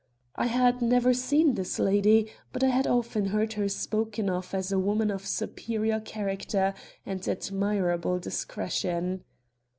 I had never seen this lady, but I had often heard her spoken of as a woman of superior character and admirable discretion.